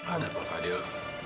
ada apa fadil